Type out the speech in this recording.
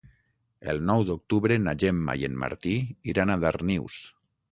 El nou d'octubre na Gemma i en Martí iran a Darnius.